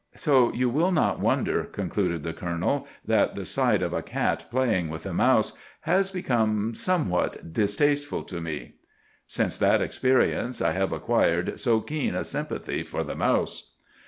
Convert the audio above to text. "'So you will not wonder,' concluded the colonel, 'that the sight of a cat playing with a mouse has become somewhat distasteful to me since that experience, I have acquired so keen a sympathy for the mouse!